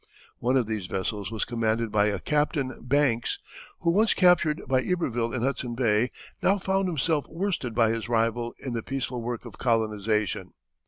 One of these vessels was commanded by a Captain Banks, who once captured by Iberville in Hudson Bay now found himself worsted by his rival in the peaceful work of colonization.